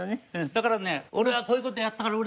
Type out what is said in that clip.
だからね俺がこういう事やったから売れた。